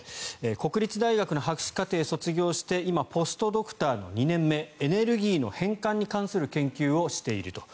国立大学の博士課程卒業して今、ポストドクターの２年目エネルギーの変換に関する研究をしていると。